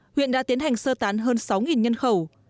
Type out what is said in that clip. huyện đã tiến hành sơ tán hơn sáu nhân khẩu